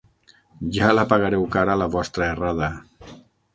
Ja la pagareu cara, la vostra errada.